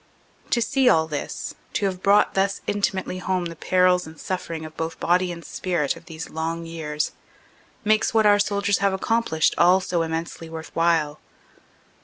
To see all this, to have brought thus intimately home the perils and sufferings of both body and spirit of these long years, makes what our soldiers have accomplished all so immensely worth while.